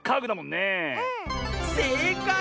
せいかい。